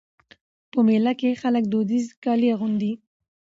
په مېله کښي خلک دودیز کالي اغوندي.